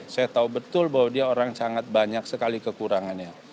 saya tahu betul bahwa dia orang sangat banyak sekali kekurangannya